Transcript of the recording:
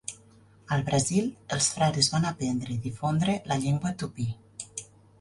Al Brasil, els frares van aprendre i difondre la llengua tupí.